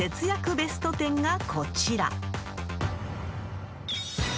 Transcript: ベスト１０がこちら］